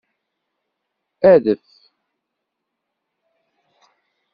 Adef.